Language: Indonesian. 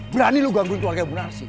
berani lo gangguin keluarga bu narsih